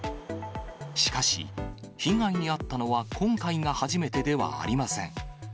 しかし、被害に遭ったのは、今回が初めてではありません。